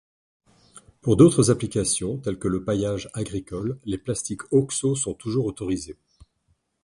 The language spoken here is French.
Pour d’autres applications, telles que le paillage agricole, les plastiques oxo sont toujours autorisés.